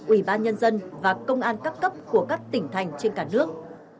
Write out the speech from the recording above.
ủy ban nhân dân và công an các cấp của các tỉnh thành trên cả nước